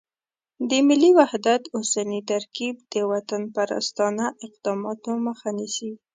د ملي وحدت اوسنی ترکیب د وطنپرستانه اقداماتو مخه نیسي.